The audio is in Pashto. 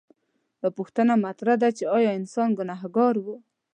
دا پوښتنه مطرح ده چې ایا انسان ګنهګار و؟